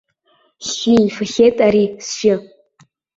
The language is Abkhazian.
Сжьы ифахьеит ари, сжьы.